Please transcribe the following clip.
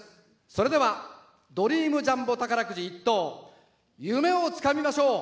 それではドリームジャンボ宝くじ１等夢をつかみましょう。